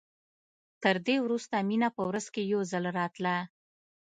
تر دې وروسته مينه په ورځ کښې يو ځل راتله.